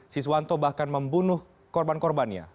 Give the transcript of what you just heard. siswanto bahkan membunuh korban korbannya